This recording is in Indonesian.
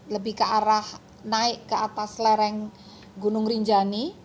lebih ke arah naik ke atas lereng gunung rinjani